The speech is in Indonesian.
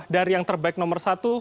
dari yang terbaik nomor satu